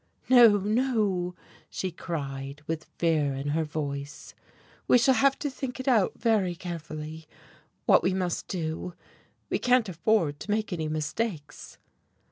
"No, no," she cried, with fear in her voice. "We shall have to think it out very carefully what we must do. We can't afford to make any mistakes."